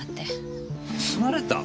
盗まれた！？